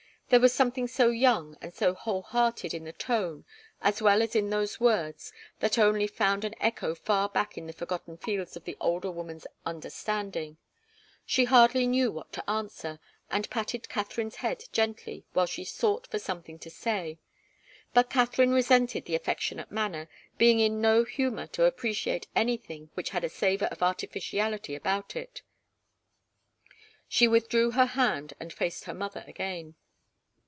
There was something so young and whole hearted in the tone as well as in those words that only found an echo far back in the forgotten fields of the older woman's understanding. She hardly knew what to answer, and patted Katharine's head gently while she sought for something to say. But Katharine resented the affectionate manner, being in no humour to appreciate anything which had a savour of artificiality about it. She withdrew her hand and faced her mother again.